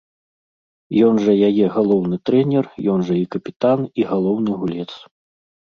Ён жа яе галоўны трэнер, ён жа і капітан, і галоўны гулец.